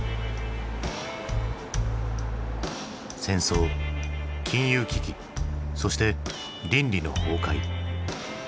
戦争金融危機そして倫理の崩壊。